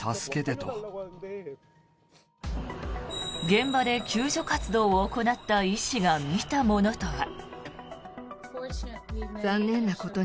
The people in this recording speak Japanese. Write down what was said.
現場で救助活動を行った医師が見たものとは。